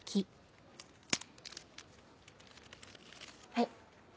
はい。